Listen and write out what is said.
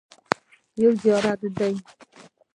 یو زیارت دی.